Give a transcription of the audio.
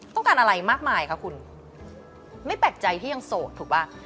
ต้องการอะไรมากมายคะคุณไม่แปลกใจที่ยังโสดถูกป่ะ